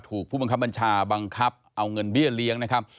ถูกผู้บังคับบัญชาบังคับเอาเงินเบี้ยเลี้ยงนะครับ